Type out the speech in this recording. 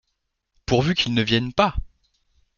Pourvu qu’ils ne viennent pas !